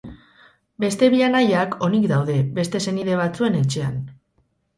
Beste bi anaiak, onik daude, beste senide batzuen etxean.